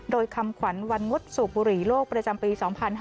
โดยคำขวัญวันงดสูบบุหรี่โลกประจำปี๒๕๕๙